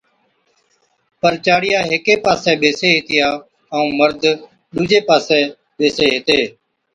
پر چاڙِيا ھيڪي پاسي ٻيسي ھِتيا ائُون مرد ڏُوجي پاسي ٻيسي ھِتي